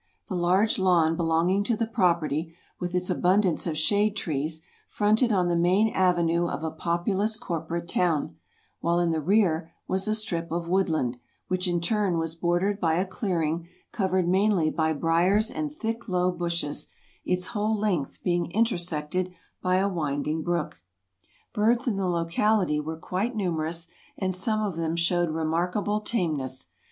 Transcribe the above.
The large lawn belonging to the property, with its abundance of shade trees, fronted on the main avenue of a populous corporate town, while in the rear was a strip of woodland, which in turn was bordered by a clearing covered mainly by briars and thick low bushes, its whole length being intersected by a winding brook. Birds in the locality were quite numerous and some of them showed remarkable tameness.